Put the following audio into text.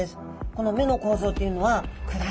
この目の構造というのはなるほど。